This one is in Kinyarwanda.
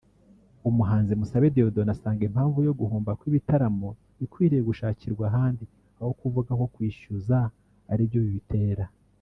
Umuhanzi Musabe Dieudonne asanga impamvu yo guhomba kw’ibitaramo ikwiriye gushakirwa ahandi aho kuvuga ko kwishyuza aribyo bibitera